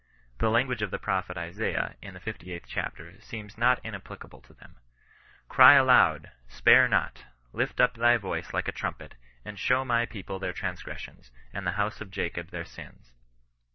The language of l9ie prophet Isaiah, in his 58th chapter, seems not inapplicable to them. *' Cry aloud, spare not ; lift up thy voice lik« a CHRISTIAN NC N RESISTANCE. 37 irtimpet, and show my people their transgressions, and the house of Jacob their sins.